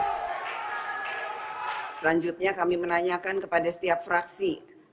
selanjutnya kami menanyakan kepada setiap fraksi